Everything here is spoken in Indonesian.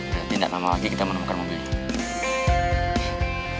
berarti gak lama lagi kita menemukan mobil itu